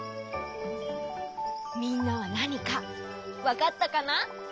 みんなはなにかわかったかな？